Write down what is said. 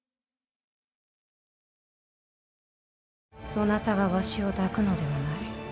そなたがわしを抱くのではない。